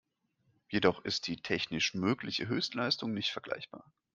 Jedoch ist die technisch mögliche Höchstleistung nicht vergleichbar.